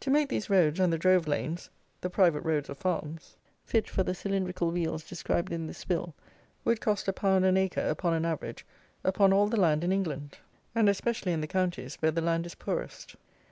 To make these roads and the drove lanes (the private roads of farms) fit for the cylindrical wheels described in this Bill, would cost a pound an acre, upon an average, upon all the land in England, and especially in the counties where the land is poorest.